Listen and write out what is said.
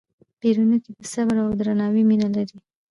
پیرودونکی د صبر او درناوي مینه لري.